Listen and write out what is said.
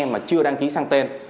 mà chưa đăng ký sang tên